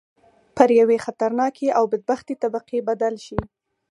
پر یوې خطرناکې او بدبختې طبقې بدل شي.